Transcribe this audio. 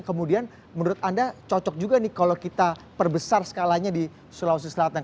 kemudian menurut anda cocok juga nih kalau kita perbesar skalanya di sulawesi selatan